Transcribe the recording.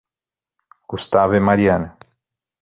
Gustavo e Mariana